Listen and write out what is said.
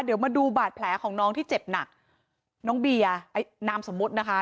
เดี๋ยวมาดูบาดแผลของน้องที่เจ็บหนักน้องเบียร์นามสมมุตินะคะ